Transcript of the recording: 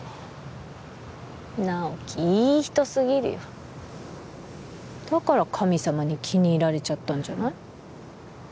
直木いい人すぎるよだから神様に気に入られちゃったんじゃない？